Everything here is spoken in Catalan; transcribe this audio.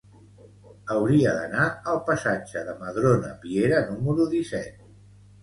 Hauria d'anar al passatge de Madrona Piera número disset.